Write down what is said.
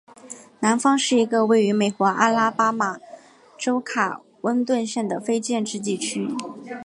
南方是一个位于美国阿拉巴马州卡温顿县的非建制地区。